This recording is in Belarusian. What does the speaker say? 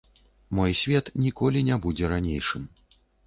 Мой свет ніколі не будзе ранейшым.